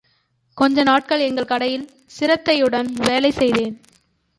கொஞ்சநாட்கள் எங்கள் கடையில் சிரத்தையுடன் வேலை செய்தேன்.